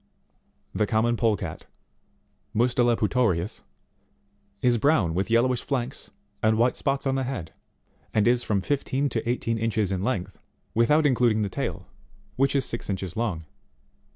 19. The common Polecat, Mustela Putorivs, is brown with yellowish flanks and white spots on the head, and is from fifteen to eighteen inches in length, without including the tail, which is six inches long.